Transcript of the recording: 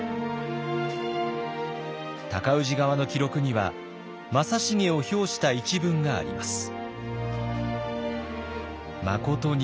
尊氏側の記録には正成を評した一文があります。